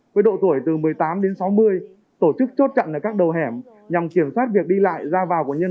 với độ tuổi từ một mươi tám đến sáu mươi tổ chức chốt chặn ở các đầu hẻm nhằm kiểm soát việc đi lại ra vào của nhân dân